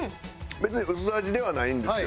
別に薄味ではないんですよ。